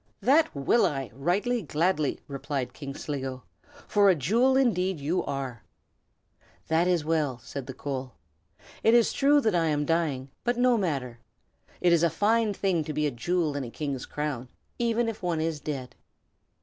"That will I, right gladly!" replied King Sligo, "for a jewel indeed you are." "That is well!" said the coal. "It is true that I am dying; but no matter. It is a fine thing to be a jewel in a king's crown, even if one is dead.